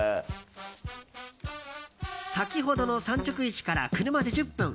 先ほどの産直市から車で１０分。